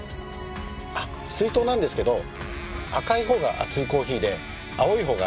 あっ水筒なんですけど赤いほうが熱いコーヒーで青いほうが冷たいお茶です。